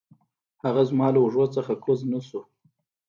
هغه زما له اوږو نه کوز نه شو.